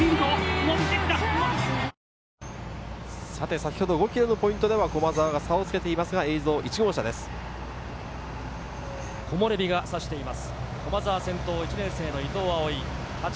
先ほど５ｋｍのポイントでは駒澤が差をつけていますが、映像は１号車です。